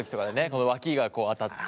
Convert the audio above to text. このわきがこう当たって。